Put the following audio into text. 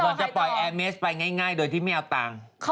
จะปล่อยแอร์เมสไปง่ายโดยที่ไม่เอาตังค์